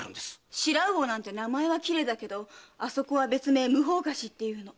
“白魚”なんて名前だけどあそこは別名「無法河岸」っていうの。